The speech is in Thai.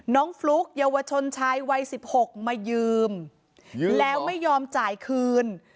น้องฟลุ๊กเยาวชนชายวัยสิบหกมายืมยืมหรอแล้วไม่ยอมจ่ายคืน